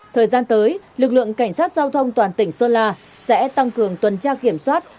thời gian tới lực lượng cảnh sát giao thông toàn tỉnh sơn la sẽ tăng cường tuần tra kiểm soát